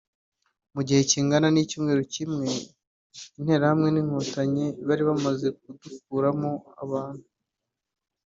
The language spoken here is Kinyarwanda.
mu gihe kingana n’icyumweru kimwe Interahamwe n’inkotanyi bari bamaze kudukuramo abantu